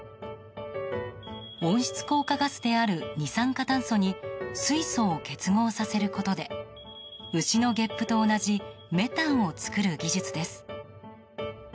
温室効果ガスである二酸化炭素に水素を結合させることで牛のゲップと同じメタンを作る技術です。